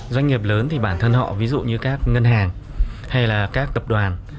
doanh nghiệp lớn thì bản thân họ ví dụ như các ngân hàng hay là các tập đoàn